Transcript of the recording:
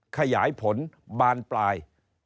ขยายผลบานปลาย